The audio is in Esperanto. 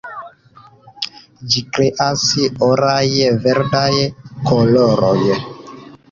Ĝi kreas oraj-verdaj koloroj.